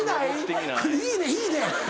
いいねいいね！